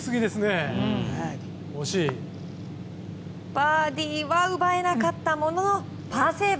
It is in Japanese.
バーディーは奪えなかったもののパーセーブ。